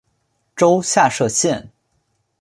州下设县。